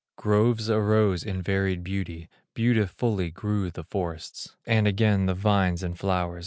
Groves arose in varied beauty, Beautifully grew the forests, And again, the vines and flowers.